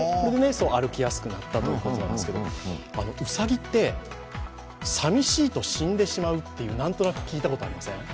歩きやすくなったということなんですけどうさぎって、寂しいと死んでしまうって、聞いたことありません？